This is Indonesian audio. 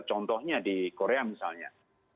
contohnya di korea misalnya